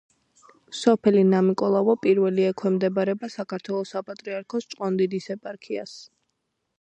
სოფელი ნამიკოლავო პირველი ექვემდებარება საქართველოს საპატრიარქოს ჭყონდიდის ეპარქიას.